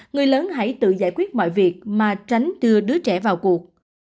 người lớn hãy tự giải quyết mọi việc mà tránh đưa đứa trẻ vào cuộc